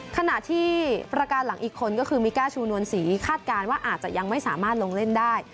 ขณะที่ประการหลังอีกคนก็คือมิก้าชูนวลศรีคาดการณ์ว่าอาจจะยังไม่สามารถลงเล่นได้